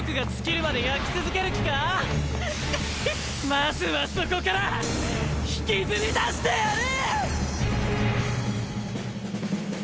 まずはそこから引きずり出してやる！